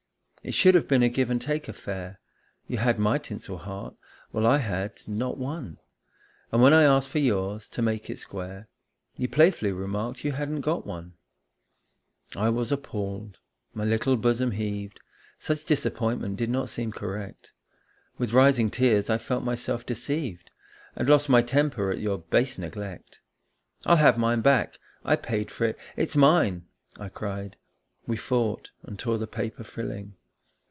It should have been a give and take affair; You had my tinsel heart, while I had not one, And when I asked for yours, to make it square, You playfully remarked you hadn't got one. 26 A VALENTINE I was appalled my little bosom heaved Such disappointment did not seem correct. With rising tears I felt myself deceived And lost my temper at your base neglect. " I'll have mine back I paid for it it's mine !" I cried. We fought and tore the paper frilling.